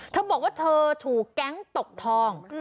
เธอบอกว่าเธอถูกแก๊งตกทอง